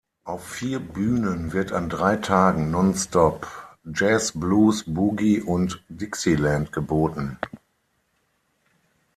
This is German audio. Auf vier Bühnen wird an drei Tagen nonstop Jazz, Blues, Boogie und Dixieland geboten.